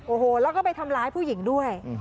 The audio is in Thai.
โอ้โหแล้วก็ไปทำร้ายผู้หญิงด้วย